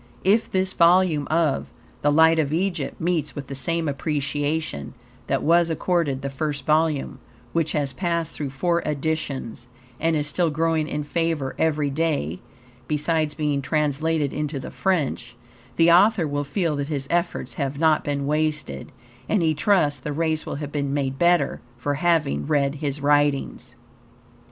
If this volume of "The Light of Egypt" meets with the same appreciation that was accorded the first volume, which has passed through four editions, and is still growing in favor every day (besides being translated into the French), the author will feel that his efforts have not been wasted, and he trusts the race will have been made better for having read his writings.